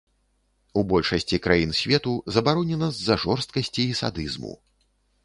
У большасці краін свету забаронена з-за жорсткасці і садызму.